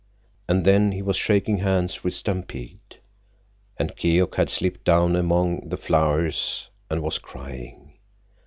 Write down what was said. And then he was shaking hands with Stampede, and Keok had slipped down among the flowers and was crying.